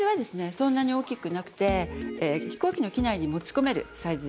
そんなに大きくなくて飛行機の機内に持ち込めるサイズです。